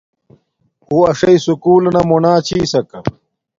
اُّو اݽݵ سکولنا مونا چھساکا